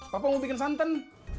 papa mau bikin santan